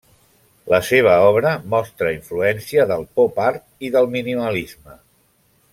La seva obra mostra influència del Pop art i del minimalisme.